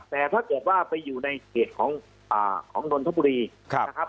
แต่ถ้าเกิดว่าไปอยู่ในเขตของนนทบุรีนะครับ